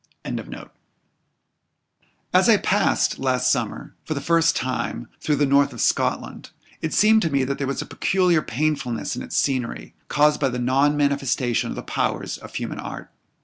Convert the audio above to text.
] As I passed, last summer, for the first time, through the north of Scotland, it seemed to me that there was a peculiar painfulness in its scenery, caused by the non manifestation of the powers of human art.